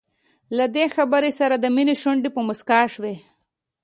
له دې خبرې سره د مينې شونډې په مسکا شوې.